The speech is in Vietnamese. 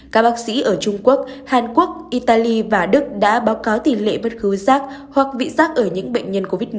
các bác sĩ ở trung quốc hàn quốc italy và đức đã báo cáo tỷ lệ bất cứ rác hoặc vị giác ở những bệnh nhân covid một mươi chín